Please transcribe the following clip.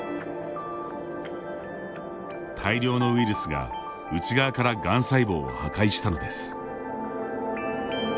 大量のウイルスが、内側からがん細胞を破壊したのです。